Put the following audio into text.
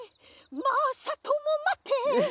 「まさともまて」ええ！？